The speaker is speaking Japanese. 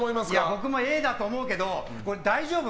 僕もＡだと思うけど大丈夫？